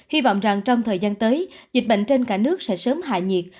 hy vọng rằng trong thời gian tới dịch bệnh trên cả nước sẽ sớm hạ nhiệt